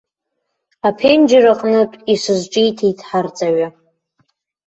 Аԥенџьыр аҟнытә исызҿиҭит ҳарҵаҩы.